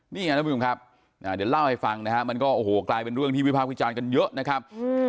นี่ครับทุกผู้ชมครับเดี๋ยวเล่าให้ฟังนะฮะมันก็โอ้โหกลายเป็นเรื่องที่วิพากษ์วิจารณ์กันเยอะนะครับ